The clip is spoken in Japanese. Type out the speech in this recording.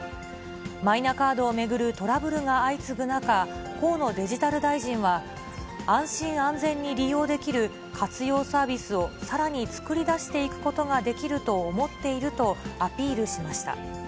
マイナカードを巡るトラブルが相次ぐ中、河野デジタル大臣は、安心安全に利用できる活用サービスをさらに作り出していくことができると思っているとアピールしました。